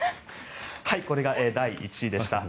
これが第１位でした。